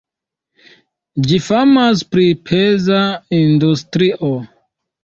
Ĝi famas pri peza industrio.